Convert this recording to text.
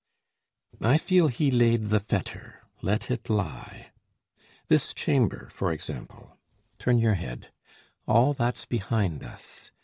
I feel he laid the fetter: let it lie! This chamber, for example turn your head All that's behind us!